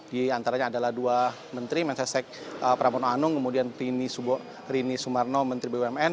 di antaranya adalah dua menteri mensesak pramono anung kemudian rini sumarno menteri bumn